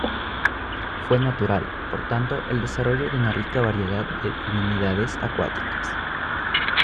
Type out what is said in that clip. Fue natural, por tanto, el desarrollo de una rica variedad de divinidades acuáticas.